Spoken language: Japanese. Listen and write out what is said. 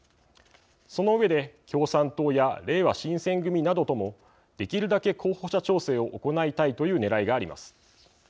その上で共産党やれいわ新選組などともできるだけ候補者調整を行いたいというねらいがあります。